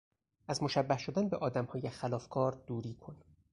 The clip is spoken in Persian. از مشبه شدن به آدمهای خلافکار دوری کن